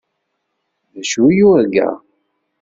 D acu i yurga?